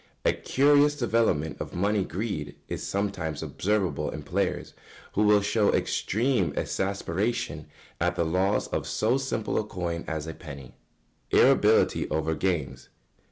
A curious development of money greed is sometimes observable in players, who will show extreme exasperation at the loss of so simple a coin as a penny. [Sidenote: Irritability over games.